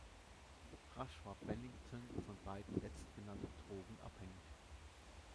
Rasch war Bennington von beiden letztgenannten Drogen abhängig.